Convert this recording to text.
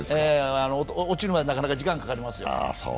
落ちるまでなかなか時間がかかりますよ。